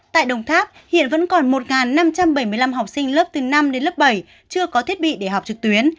tại đồng tháp hiện vẫn còn một năm trăm bảy mươi năm học sinh lớp từ năm đến lớp bảy chưa có thiết bị để học trực tuyến